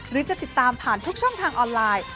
หรือจะติดตามผ่านทุกช่องทางออนไลน์